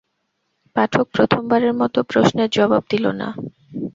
পাঠক প্রথমবারের মতো প্রশ্নের জবাব দিল না।